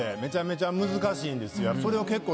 それを結構。